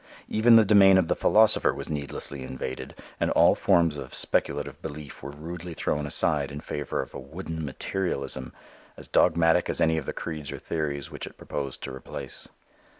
Even the domain of the philosopher was needlessly invaded and all forms of speculative belief were rudely thrown aside in favor of a wooden materialism as dogmatic as any of the creeds or theories which it proposed to replace.